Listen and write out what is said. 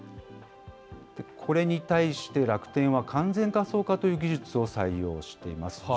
これに対して楽天は完全仮想化という技術を採用しています。